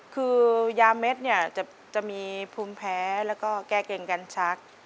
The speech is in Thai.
คือยาเม็ดเนี่ยจะมีภูมิแพ้แล้วก็แก้เกงกันชัก